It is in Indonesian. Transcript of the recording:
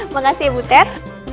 makasih ya buter